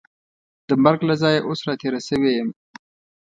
د مرګ له ځایه اوس را تېره شوې یم.